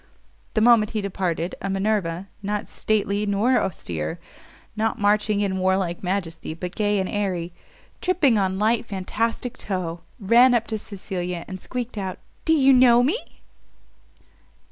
The moment he departed a Minerva, not stately nor austere, not marching in warlike majesty, but gay and airy, "Tripping on light fantastic toe," ran up to Cecilia, and squeaked out, "Do you know me?"